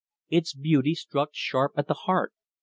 Its beauty struck sharp at the heart.